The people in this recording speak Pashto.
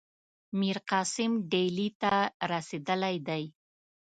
میرقاسم ډهلي ته رسېدلی دی.